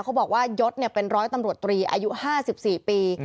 บอกว่ายศเป็นร้อยตำรวจตรีอายุ๕๔ปี